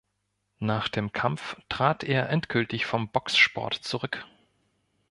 Nach dem Kampf trat er endgültig vom Boxsport zurück.